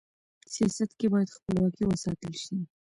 سیاست کي بايد خپلواکي و ساتل سي.